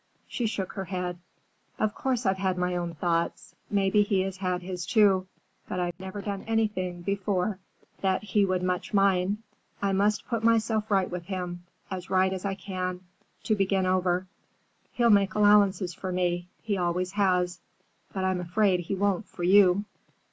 She shook her head. "Of course, I've had my own thoughts. Maybe he has had his, too. But I've never done anything before that he would much mind. I must put myself right with him,—as right as I can,—to begin over. He'll make allowances for me. He always has. But I'm afraid he won't for you."